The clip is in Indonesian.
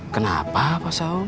kenapa pak saung